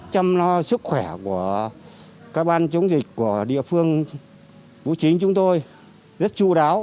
chăm lo sức khỏe của các ban chống dịch của địa phương vũ trính chúng tôi rất chú đáo